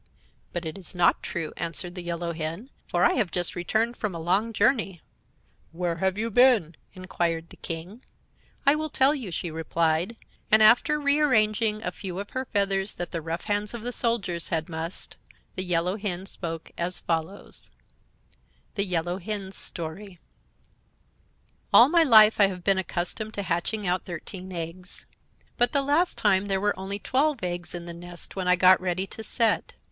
"But it is not true," answered the Yellow Hen; "for I have just returned from a long journey." "Where have you been?" inquired the King. "I will tell you," she replied; and, after rearranging a few of her feathers that the rough hands of the soldiers had mussed, the Yellow Hen spoke as follows: THE YELLOW HEN'S STORY "All my life I have been accustomed to hatching out thirteen eggs; but the last time there were only twelve eggs in the nest when I got ready to set.